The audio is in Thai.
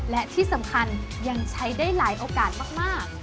และที่สำคัญยังใช้ได้หลายโอกาสมาก